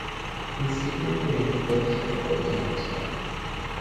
ইনস্টিটিউটের প্রতিষ্ঠাতা পরিচালক ছিলেন।